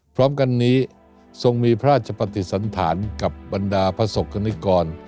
พร้อมกันนี้ทรงมีพระราชปฏิสันธารกับบรรดาพระศกกรณิกร